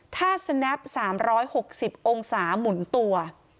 ถ้าสแนป๓๖๐องศาหมุนตัว